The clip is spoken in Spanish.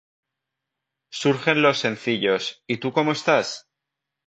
Surgen los sencillos “¿Y tú cómo estás?